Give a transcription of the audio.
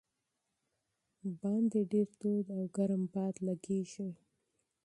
باندې ډېر تود او ګرم باد لګېږي.